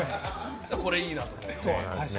これいいなと思って。